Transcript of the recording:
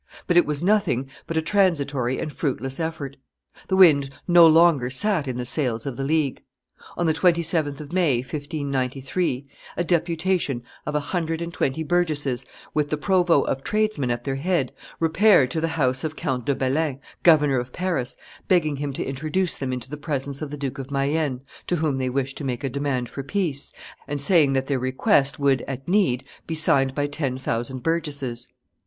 but it was nothing but a transitory and fruitless effort; the wind no longer sat in the sails of the League; on the 27th of May, 1593, a deputation of a hundred and twenty burgesses, with the provost of tradesmen at their head, repaired to the house of Count de Belin, governor of Paris, begging him to introduce them into the presence of the Duke of Mayenne, to whom they wished to make a demand for peace, and saying that their request would, at need, be signed by ten thousand burgesses.